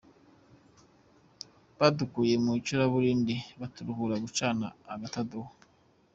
Badukuye mu icuraburindi, baturuhura gucana agatadowa.